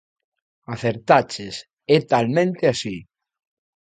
Acertaches, é talmente así